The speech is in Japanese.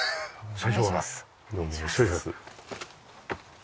失礼します。